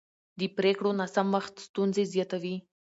د پرېکړو ناسم وخت ستونزې زیاتوي